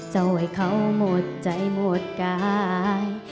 เจ้าให้เขาหมดใจหมดกาย